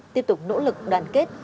tiếp tục nỗ lực đoàn kết